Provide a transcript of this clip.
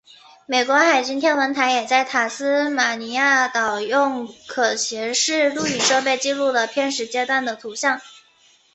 美国海军天文台也在塔斯马尼亚岛用可携式录影设备记录了偏食阶段的图像。